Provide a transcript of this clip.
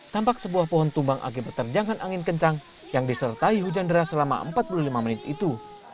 tampak sebuah pohon tumbang akibat terjangan angin kencang yang disertai hujan deras selama empat puluh lima menit itu